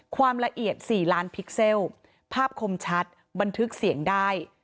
ความละเอียด๔ล้านพิกเซลภาพคมชัดบันทึกเสียงได้